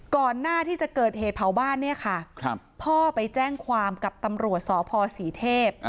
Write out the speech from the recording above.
ก่อนหน้าที่จะเกิดเหตุเผาบ้านเนี่ยค่ะพ่อไปแจ้งความกับตำรวจสพศรีเทพ